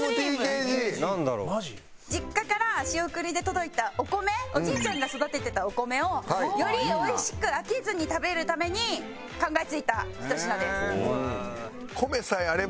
実家から仕送りで届いたお米おじいちゃんが育ててたお米をより美味しく飽きずに食べるために考えついたひと品です。